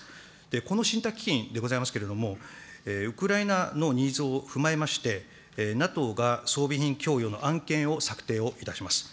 この信託基金でございますけれども、ウクライナのニーズを踏まえまして、ＮＡＴＯが装備品供与の案件を策定をいたします。